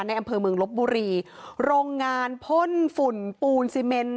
ในอำเภอเมืองลบบุรีโรงงานพ่นฝุ่นปูนซีเมน